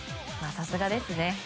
さすがですね。